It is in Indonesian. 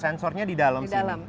sensornya di dalam